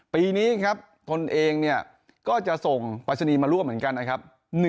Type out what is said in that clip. ปีนี้ตนเองก็จะส่งประชานีมาร่วมเหมือนกันนะครับ